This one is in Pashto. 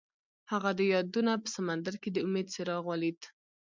هغه د یادونه په سمندر کې د امید څراغ ولید.